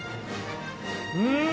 うん！